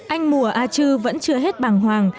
anh mùa a chư vẫn chưa hết bằng hoàng